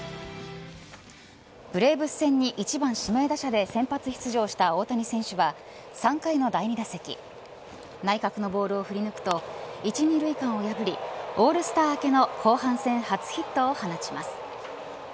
ブレーブス戦に一番指名打者で先発出場した大谷選手は３回の第２打席内角のボールを振り抜くと１、２塁間を破りオールスター明けの後半戦初ヒットを放ちます。